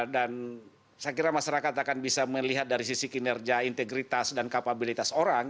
dan saya kira masyarakat akan bisa melihat dari sisi kinerja integritas dan kapabilitas orang